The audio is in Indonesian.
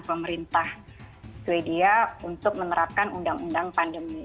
pemerintah sweden untuk menerapkan undang undang pandemi